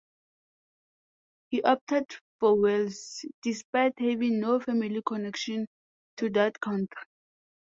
He opted for Wales, despite having no family connection to that country.